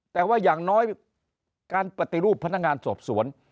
แต่ว่าอย่างน้อยการปฏิรูปพนักงานสอบสวน